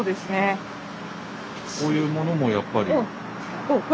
こういうものもやっぱり。